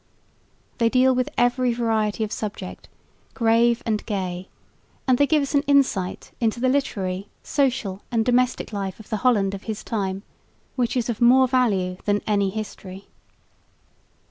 They deal with every variety of subject, grave and gay; and they give us an insight into the literary, social and domestic life of the Holland of his time, which is of more value than any history.